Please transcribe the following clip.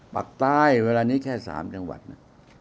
ปากใต้เวลานี้แค่๓จังหวัดนะ